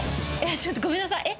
ちょっとごめんなさい、え？